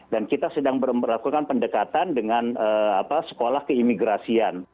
dan kita sedang berlakukan pendekatan dengan sekolah keimigrasian